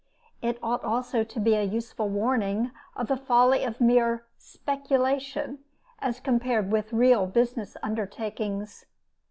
It ought also to be a useful warning of the folly of mere "speculation," as compared with real "business undertakings."